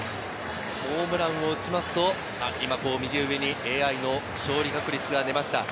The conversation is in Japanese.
ホームランを打つと右上にＡＩの勝利確率が出ました。